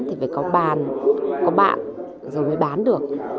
thì mới có bàn có bạn rồi mới bán được